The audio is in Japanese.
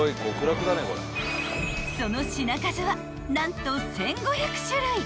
［その品数は何と１，５００種類！］